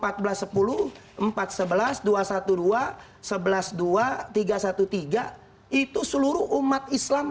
itu seluruh umat islam mewakili umat islam